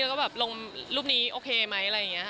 แล้วก็แบบลงรูปนี้โอเคไหมอะไรอย่างนี้ค่ะ